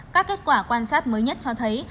các kết quả quan sát mới nhất cho thấy